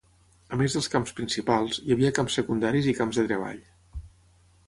A més dels camps principals, hi havia camps secundaris i camps de treball.